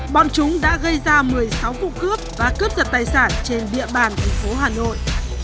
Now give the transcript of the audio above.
bọn chúng đã gây ra một mươi sáu vụ cướp và cướp giật tài sản trên địa bàn thành phố hà nội